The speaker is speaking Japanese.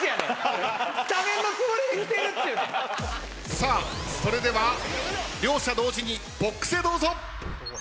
さあそれでは両者同時にボックスへどうぞ！